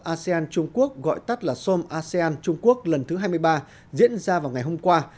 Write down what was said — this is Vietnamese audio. asean trung quốc gọi tắt là som asean trung quốc lần thứ hai mươi ba diễn ra vào ngày hôm qua